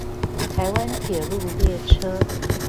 台灣鐵路列車